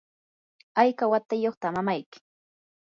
¿hayka watayuqta mamayki?